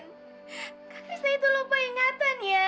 kak krisna itu lupa ingatan ya